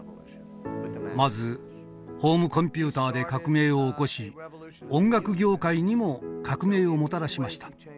まずホームコンピューターで革命を起こし音楽業界にも革命をもたらしました。